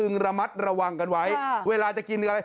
ระมัดระวังกันไว้เวลาจะกินอะไร